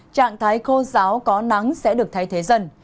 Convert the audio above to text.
trạng thái khô giáo có nắng sẽ được thay thế dần